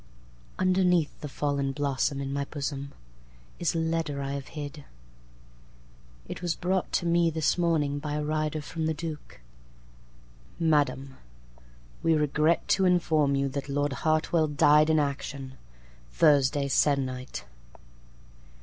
Underneath the fallen blossomIn my bosom, Is a letter I have hid.It was brought to me this morning by a rider from the Duke."Madam, we regret to inform you that Lord HartwellDied in action Thursday se'nnight."